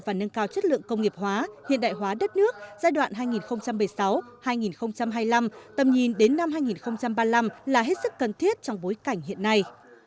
xây dựng chính sách công nghiệp quốc gia của việt nam đồng bộ hiệu quả nhằm đẩy mạnh và nâng cao chất lượng công nghiệp hóa hiện đại hóa đất nước giai đoạn hai nghìn bảy mươi sáu hai nghìn hai mươi năm tầm nhìn đến năm hai nghìn ba mươi năm là hết sức cần thiết trong bối cảnh hiện nay